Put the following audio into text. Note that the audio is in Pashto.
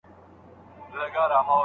ډېر ږدن او پاڼي له کړکۍ څخه را نه غلل.